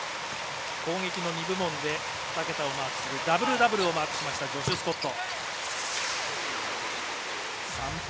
攻撃の２部門で２桁をマークするダブルダブルをマークしたジョシュ・スコット。